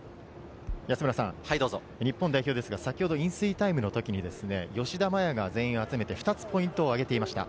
日本代表ですが、先ほど飲水タイムの時に吉田麻也が全員を集めて２つポイントをあげていました。